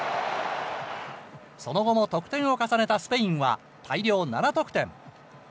その後も得点を重ねたスペインは大量７得点。